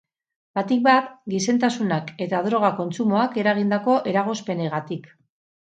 Batik bat, gizentasunak eta droga kontsumoak eragindako eragozpenegatik.